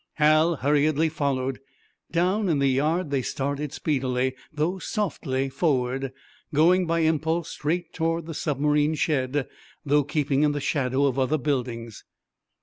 Hal hurriedly followed. Down in the yard, they started speedily though softly forward, going by impulse straight toward the submarine's shed, though keeping in the shadow of other buildings.